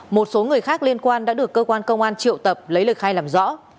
một số người khác liên quan đã được cơ quan công an triệu tập lấy lời khai làm rõ